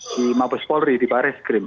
di mabes polri di baris krim